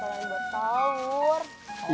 aaaa sekolah berpawur